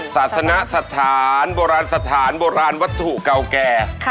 ศาสนสถานโบราณสถานโบราณวัตถุเก่าแก่